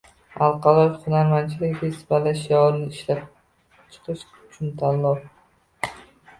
Xalqaro hunarmandchilik festivali shiorini ishlab chiqish uchun tanlov